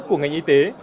của ngành y tế